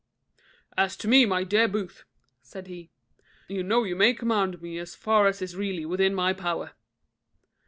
"As to me, my dear Booth," said he, "you know you may command me as far as is really within my power."